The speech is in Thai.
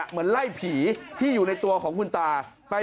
เหมือนไล่ผีที่อยู่ในตัวของคุณตา